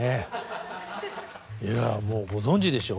いやもうご存じでしょう